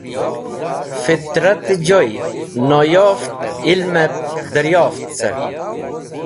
Fitratẽ joy noyoft ilmẽb dẽryoft car.